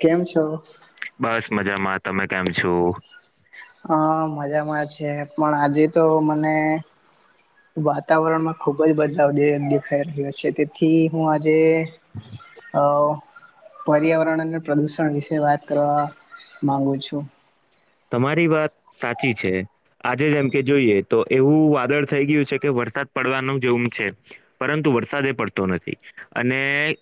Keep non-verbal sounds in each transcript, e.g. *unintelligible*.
કેમ છો? બસ મજામાં. તમે કેમ છો? હ મજામાં છે પણ આજે તો મને વાતાવરણમાં ખુબ જ બદલાવ દે દેખાઈ રહ્યો છે તેથી હું આજે અહ ઓ પર્યાવરણ અને પ્રદુષણ વિશે વાત કરવા માંગુ છું. તમારી વાત સાચી છે. આજે જેમ કે જોઈએ તો એવું વાદળ થઈ ગયું છે કે વરસાદ પડવાનું જોમ છે. પરંતુ વરસાદ એ પડતો નથી. અને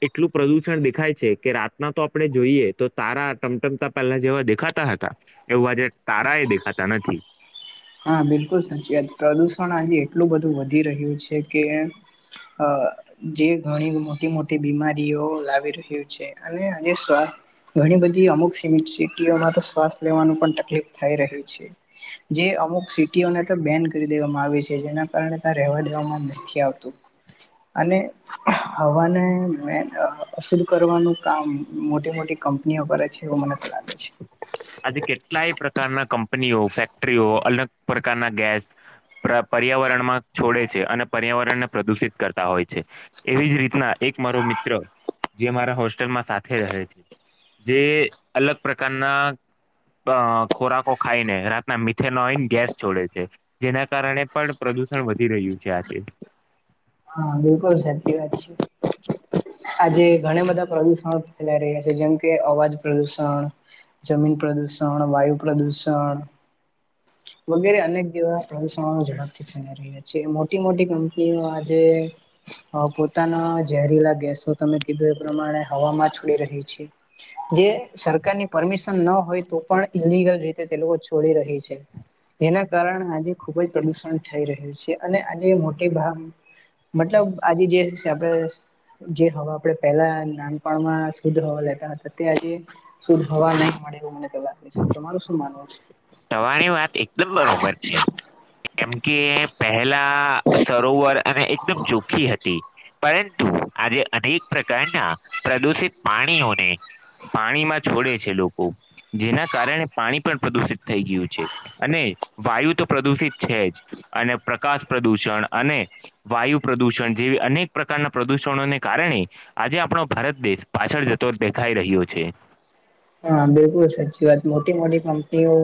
એટલું પ્રદુષણ દેખાય છે કે રાતના તો આપડે જોઈએ તો તારા ટમટમતા પહેલા જેવા દેખાતા હતા એવું આજે તારા એ દેખાતા નથી. હા બિલકુલ સાચી વાત. પ્રદુષણ આજે એટલું બધું વધી રહ્યું છે કે હ જે ઘણી મોટી મોટી બીમારીઓ લાવી રહ્યું છે અને અને અને સ્વા ઘણી બધી અમુક સિમિત સિટીઓમાં તો શ્વાસ લેવાનું પણ તકલીફ થઈ રહી છે. જે અમ અમુક સિટીઓને તો બેન્ડ કરી દેવામાં આવી છે જેના કારણે ત્યાં રહેવા દેવામાં નથી આવતું. અને હવાને મેન અસર કરવાનું કામ મોટી મોટી કંપનીઓ કરે છે એવું મને તો લાગે છે. આજે કેટલાય પ્રકારના કંપનીઓ ફેક્ટરીઓ અલગ પ્રકારના ગેસ પ્ર પર્યાવરણમાં છોડે છે અને પર્યાવરણને પ્રદુષિત કરતા હોય છે. એવી જ રીતના એક મારો મિત્ર જે મારા હોસ્ટેલમાં સાથે રહે છે જે અલગ પ્રકારના અહ ખોરાકો ખાઈને રાતના મીથેનઓઈન ગેસ છોડે છે. જેના કારણે પણ પ્રદુષણ વધી રહ્યું છે આજે. હા, બિલકુલ સાચી વાત છે. આજે ઘણાં બધાં પ્રદુષણો ફેલાઈ રહ્યા છે, જેમ કે અવાજ પ્રદુષણ જમીન પ્રદૂષણ, વાયુ પ્રદૂષણ, વગેરે અનેક જેવા પ્રદુષણો ઝડપથી ફેલાઈ રહ્યા છે, મોટી મોટી કંપની નુ આજે હ પોતાના ઝેરીલા ગેસો તમે કીધું એ પ્રમાણે હવામાં છોડી રહી છે. જે સરકારની પરમિશન ન હોય તો પણ ઈલલિગલ રીતે તે લોકો છોડી રહી છે. તેના કારણ આજે ખુબ જ પ્રદુષણ થઈ રહ્યું છે, અને આજે મોટી ભાગ મતલબ આજે જે છે આપડે જે હવા આપણે પહેલા નાનપણમાં શુદ્ધ હવા લેતા હતા તે આજે. શુંદ્ધ હવા નઈ મળે એવું અમને તો લાગે છે. તમારું શું માનવું છે? તમારી વાત એકદમ બરોબર છે. કેમ કે પહેલા સરોવર અને એકદમ ચોખ્ખી હતી. પરંતુ આજે અનેક પ્રકારના પ્રદુષિત પાણીઓને પાણીમાં છોડે છે લોકો, જેના કારણે પાણી પણ પ્રદુષિત થઈ ગયું છે, અને વાયુ તો પ્રદુષિત છે જ. અને પ્રકાશ પ્રદૂષણ, અને વાયુ પ્રદુષણ જેવી અનેક પ્રકારના પ્રદુષણોને કારણે આજે આપણો ભારત દેશ પાછળ જતો દેખાઈ રહ્યો છે. હા બિલકુલ સાચી વાત, મોટી મોટી કંપનીઓ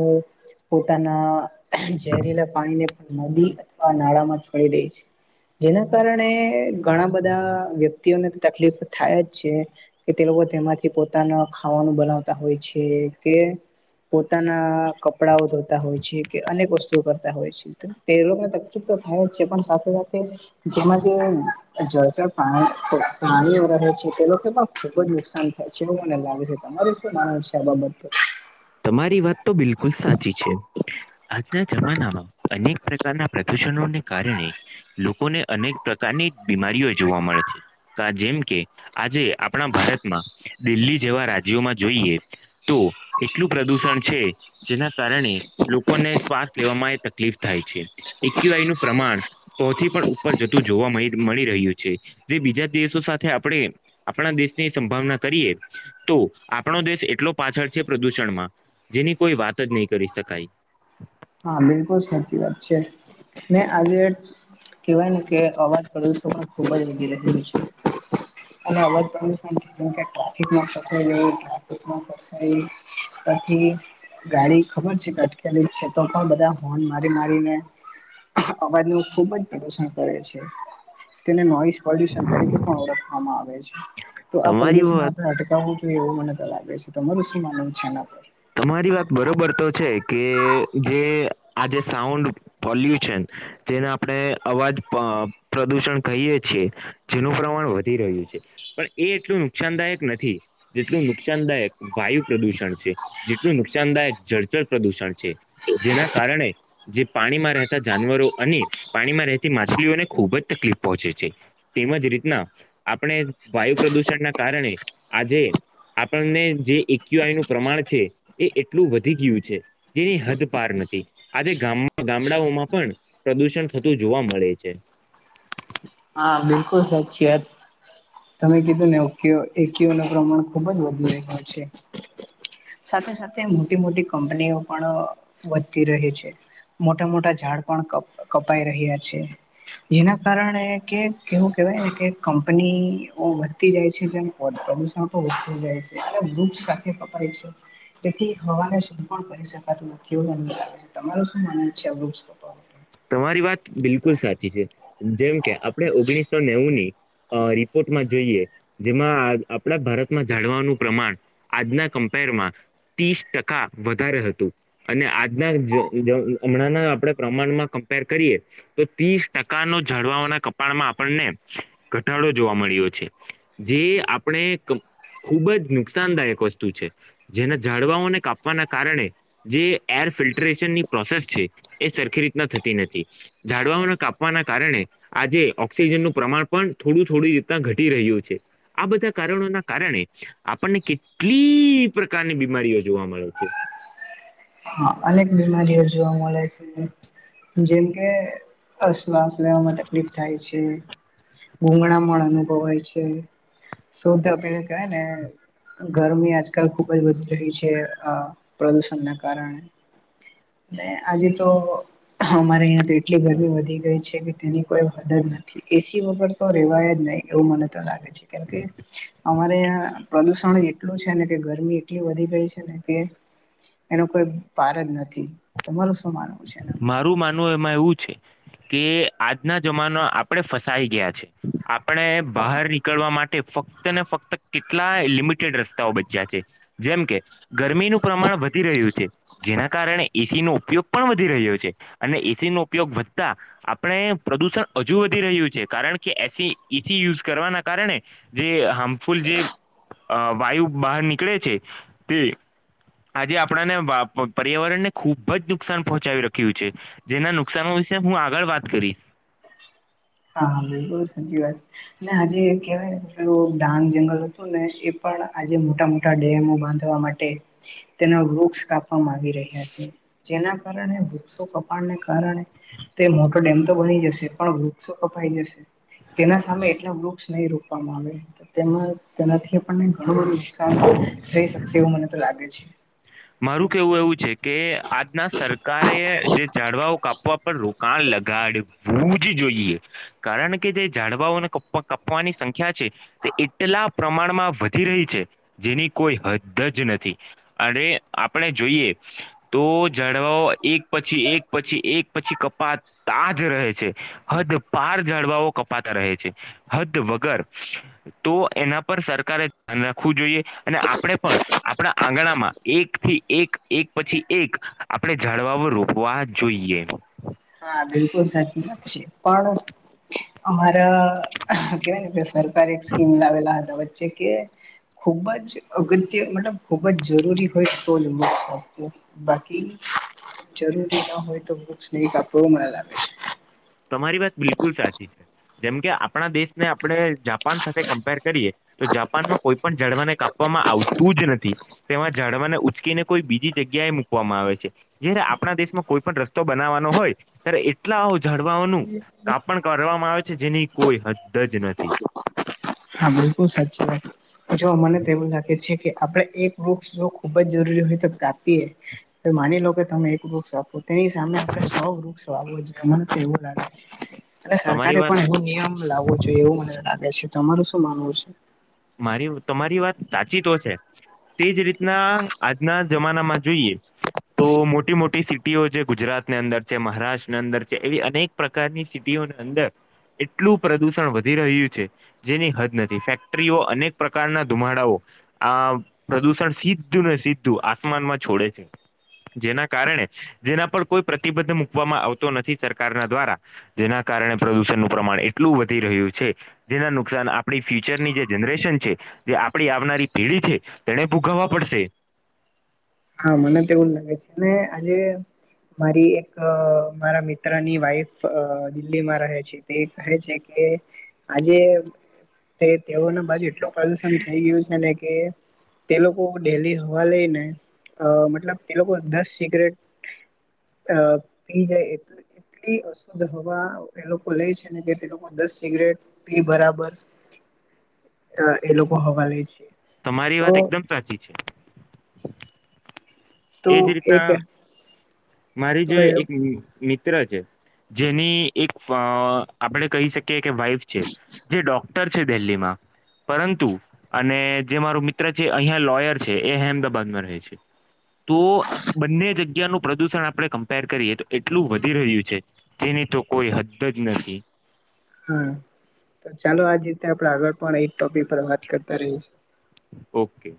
પોતાના ઝેરીલા પાણીને નદી અથવા નાળામાં છોડી દે છે જેના કારણે ઘણા બધા વ્યક્તિઓને તકલીફ થાય જ છે. કે તે લોકો તેમાંથી પોતાના ખાવાનું બનાવ તા હોય છે, કે પોતાના કપડાઓ ધોતા હોય છે, કે અનેક વસ્તુઓ કરતા હોય છે. તે લોકને તકલીફ તો થાય જ છે, પણ સાથે સાથે જેમાં જે જળ *unintelligible* તે લોકો પણ ખુબ જ નુકસાન *unintelligible* તમારું શું માનવું છે આ બાબત પર? તમારી વાત તો બિલકુલ સાચી છે. આજના જમાનામાં અનેક પ્રકારના પ્રદુષણોને કારણે લોકોને અનેક પ્રકારની બીમારીઓ જોવા મળે છે, કા જેમ કે આજે આપણા ભારતમાં, દિલ્હી જેવા રાજ્યોમાં જોઈએ તો એટલું પ્રદૂષણ છે, જેના કારણે લોકોને શ્વાસ લેવામાં એ તકલીફ થાય છે. એ ક્યુ આઈ નું પ્રમાણ સૌ થી પણ ઉપર જતું જોવા મળ મળી રહ્યું છે, જે બીજા દેશો સાથે આપણે આપણા દેશની સંભાવના કરીએ, તો આપણો દેશ એટલો પાછળ છે પ્રદૂષણમાં, જેની કોઈ વાત જ નહીં કરી શકાય. હા બિલકુલ સાચી વાત છે, ને આજે કેવાય ને કે અવાજ પ્રદુષણ પણ ખુબ જ વધી રહ્યું છે. અને અવાજ પણ *unintelligible* ટ્રોફિકમાં ફસાઈ ગયો ટ્રાફિકમાં ફસાઈ ત્યાંથી ગાડી ખબર છે કે અટકેલી છે. તો પણ બધા હોન મારી મારીને અવાજ ની ખુબ જ પ્રદુશણ કરે છે, તેને નોઇસ પ્રદૂષણ તરીકે પણ ઓળખવામાં આવે છે, તો આ તમારી પ્રદૂષણ વાત આપણે અટકાવું તો એવું મને તો લાગે છે, તમારું શું માનવું છે આના પર? તમારી વાત બરોબર તો છે, કે જે આજે સાઉન્ડ પોલ્યુશન તેને આપણે અવાજ પ્રદુષણ કહીએ છીએ જેનુ પ્રમાણ વધી રહ્યુ છે. પણ એ એટલું નુકસાનદાયક નથી, જેટલું નુકસાનદાયક વાયુ પ્રદુષણ છે. જેટલું નુકસાનદાયક જળચર પ્રદુષણ છે, જેના કારણે જે પાણીમાં રહેતા જાનવરો અને પાણીમાં રહેતી માછલીઓને ખુબ જ તકલીફ પહોંચે છે. તેમજ રીતના આપણે વાયુ પ્રદુષણના કારણે, આજે આપણને જે એક્યુઆઈ નું પ્રમાણ છે, એ એટલું વધી ગીયું છે. જેવી હદ પાર નથી. આજે ગામ્મ ગામડાઓમાં પણ પ્રદુષણ થતું જોવા મળે છે. હા, બિલકુલ સાચી વાટ. તમે કીધું ને, ઓક્યુ એક્યુ નો પ્રમાણ ખુબ જ વધી રહ્યો છે. સાથે સાથે મોટી મોટી કંપનીઓ પણ અ વધતી રહે છે. મોટા મોટા ઝાડ પણ કપ કપાઈ રહ્યા છે, જેના કારણે કે કેવું કેવાય કે, કંપની ઓ વધતી જાય છે ન *unintelligible* પ્રદુષણ *inaudible* જાય છે, એલે રુક્ષ કાપિયે કપાય છે. તેથી હવાને શુદ્ધ પણ કરી શકાતું નથી, એવું મન ત લાગે. તમારે શું માનવુ છે વૃક્ષ પ તમારી વાત બિલકુલ સાચી છે, જેમ કે આપણે ઓગણીસો નેવું ની અ રિપોટમાં જઈએ, જેમાં આઆ આપણા ભારતમાં જાણવાનું પ્રમાણ આજના કમ્પેરમાં તીસ ટકા વધારે હતું અને આજના જ જ અમણાંના આપણે પ્રમાણમાં કમ્પેર કરીએ, તો તીસ ટકા નો ઝાળવાઓના કપાળમાં આપણને ઘટાડો જોવા મળ્યો છે. જે આપણે કં ખુબ જ નુકસાનદાયક વસ્તુ છે. જેના જાડવાઓને કાપવાના કારણે જે એર ફિલ્ટરેશનની પ્રોસેસ છે, એ સરખી રીતના થતી નથી. ઝાડવાઓના કાપવાના કારણે આજે ઓક્સિજનનું પ્રમાણ પણ થોડું થોડી રીતના ઘટી રહ્યું છે. આ બધા કારણોના કારણે આપણને કેટલીઈઈઈ પ્રકારની બીમારીઓ જોવા મળે છે. હા, અનેક બીમારીઓ જોવા મળે છે. જેમ કે અશ્વાસ લેવામાં તકલીફ થાય છે. ગૂંગણામણ અનુભવાય છે. શોતા પેયા કયા કયા ગરમી આજકાલ ખુબ જ વધી રહી છે, અ પ્રદુષણ ના કારણે. ને આજે તો હમારે અહીંયા તો એટલી ગરમી વધી ગઈ છે, કે તેની કોઈ હદ જ નથી. એસી વગર તો રેવાય જ નઈ. એવું મને તો લાગે છે, કેમ કે અમારે અયા પ્રદૂષણ એટલું છે ને, કે ગરમી એટલી વધી ગઈ છે ને કે એનો કોઈ પાર જ નથી. તમારું શું માનવું છે એના મારું માનવું એમાં એવું છે, કે આજના જમાનો આ આપણે ફસાઈ ગીયા છે. આપણે બહાર નીકળવા મા તે ફક્ત ને ફક્ત કેટલાય લિમિટેડ રસ્તાઓ બચ્યા છે. જેમ કે ગરમીનું પ્રમાણ વધી રહ્યું છે, જેના કારણે એસી નો ઉપયોગ પણ વધી રહ્યો છે. અને એસી નો ઉપયોગ વધતા આપણે પ્રદુષણ અજુ વધી રહ્યું છે. કારણ કે એસી ઈસી યુસ કરવાના કારણે જે હામફુલ જે અ વાયુ બહાર નીકળે છે, તે આજે આપણાને વાપ પ પર્યાવરણ ને ખુબ જ નુકસાન પહોંચાવી રખ્યું છે. જેના નુક્સાનો વિસે હું આગળ વાત કરીસ. હા બિલકુલ સાચી વાત. ને આજે કહેવાય ને પેલું ડાંગ જંગલ હતું ને એ પણ આજે મોટા મોટા ડેમો બાંધવા માટે તે તેના વૃક્ષ કાપવામાં આવી રહ્યા છે. જેના કારણે વૃક્ષો કપાળને કારણે તે મોટો ડેમ તો બની જશે પણ વ વૃક્ષો કપાઈ જશે. તેના સામે એટલા વૃક્ષ નહી રોપવામાં આવે તો તેમાં તેનાથી આપણ ને ઘણું નુકસાન થઈ શકશે એવું મને તો લાગે છે. મારું કેહવું એવું છે. કે આજના સરકારે જે ઝાડવાઓ કાપવા પર રોકાણ લગાડ વું જ જોઈએ કારણ કે જે ઝાડવાઓ ના કાપવાની સંખ્યા છે તે એટલા પ્રમાણમાં વધી રહી છે, જેની કોઈ હદ જ નથી. અરે આપણે જોઈએ તો ઝાડવાઓ એક પછી, એક પછી એક પછી કપાત તા જ રહે છે. હદ પાર ઝાડવાઓ કપાતા રહે છે. હદ વગર તો એના પર સરકારે ધ્યાન રાખવું જોઈએ અને આપણે પણ આપણા આંગણામાં એક થી એક, એક પછી એક આપણે ઝાડવાઓ રોપવા જોઈએ. હા બિલકુલ સાચી વાત છે પણ અમારા કેહવાય ને કે સરકાર એક સ્કીમ લાવેલા હતા વચ્ચે કે ખૂબ જ અગત્ય મતલબ ખૂબ જ જરૂરી હોય તો જ *unintelligible* બાકી જરૂરી ન હોય તો વૃક્ષ ન કાપવુ એવું મને લાગે. તમારી વાત બિલકુલ સાચી છે જેમકે આપણા દેશને આપણે જાપાન સાથે કમ્પેર કરીએ તો જાપાન માં કોઈ પણ ઝાડવાને કાપવામાં આવતું જ નથી. તેમાં ઝાડવાને ઉચકીને કોઈ બીજી જગ્યા એ મૂકવામાં આવે છે. જયારે આપણા દેશમાં કોઈ પણ રસ્તો બનાવવાનો હોય ત્યારે એટલા ઝાડવાઓનું કાપણ કરવામાં આવે છે, જેની કોઈ હદ જ નથી. હા બિલકુલ સાચી વાત. જો મને તો એવું લાગે છે કે આપડે એક વૃક્ષ જો ખુબ જ જરૂરી હોય તો કાપીએ માની લો કે તમે એક વૃક્ષ આપો તેની સામે આપણે સૌ વૃક્ષ વાવવું જોઈએ, મને તો એવું લાગે છે અને સરકારે તમારી વાત પણ એવો નિયમ લાવવો જોઈએ એવું મને લાગે છે. તમારું શું માનવું છે? મારી તમારી વાત સાચી તો છે તે જ રીતના આજના જમાનામાં જોઈએ તો મોટી મોટી સિટી સિટીઓ જે ગુજરાતની અંદર છે, મહારાષ્ટ્રની અંદર છે એવી અનેક પ્રકારની સિટીઓને અંદર એટલું પ્રદુષણ વધી રહ્યું છે જેની હદ નથી. ફેક ફેક્ટરીઓ અનેક પ્રકારના ધુમાડાઓ આ પ્રદુષણ સીધું ને સીધું આસમાન માં છોડે છે જેના કારણે જેના પર કોઈ પ્રતિબંધ મુૂકવામાં આવતો નથી સરકારના દ્વારા જેના કારણે પ્રદુષણનું પ્રમાણ એટલું વધી રહ્યું છે જેના નુકસાન આપણી ફ્યુચરની જે જનરેશન છે જે આપડી આવનારી પેઢી છે તેણે ભોગવવા પડશે. હા મને તો એવું જ લાગે છે ને આજે મારી એક મારા મિત્રની વાઈફ અ દિલ્હીમાં રહે છે તે કહે છે કે આજે તે તેઓ ના બાજુ તો પ્રદુષણ થઈ ગયું છે ને કે તે લોકો ડેલી હવા લઈ ને અ મતલબ એ લોકો દસ સિગરેટ અ પી જાય એ એટલી અશુદ્ધ હવા એ લોકો લેય છે ને કે તે લોકો દસ સિગરેટ પી બરાબર અ એ લોકો લોકો હવા લે છે તમારી તો વાત એકદમ સાચી છે. તો એજ રીતના એક મારી તો જો એ એક મિત્ર છે. જેની એક આપડે કહી શકીએ કે વાઈફ છે જે ડોક્ટર છે દિલ્હીમાં પરંતુ અને જે મારો મિત્ર છે અહિયાં લોયર છે એ અહેમદાબાદમાં રહે છે તો બંને જગ્યાનું પ્રદુષણ આપણે કમ્પેર કરીએ તો એટલું વધી રહ્યું છે તેની તો કોઈ હદ જ નથી. હા તો ચાલો આજ રીતે આપણે આગળ પણ એ ટોપિક પર વાત કરતા રહીશ ઓકે